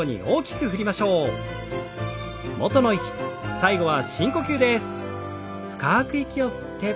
最後は深呼吸です。